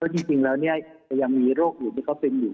ก็ที่จริงแล้วเนี่ยยังมีโรคอยู่ที่เขาซึ้มอยู่